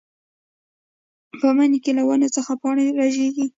پۀ مني له ونو څخه پاڼې رژيږي